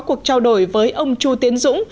cuộc trao đổi với ông chu tiến dũng